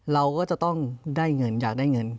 เราก็จะต้องได้เงินอยากได้เงิน